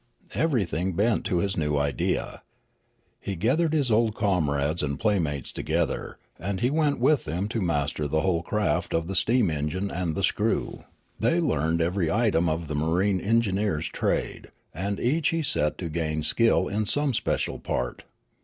Everything bent to his new idea. He gathered his old comrades and playmates together, and he went with them to master the whole craft of the steam engine aud the screw; 1 2 Riallaro they learned every item of the marine engineer's trade ; and each he set to gain skill in some special part.